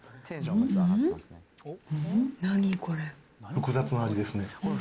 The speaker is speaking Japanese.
複雑な味ですね。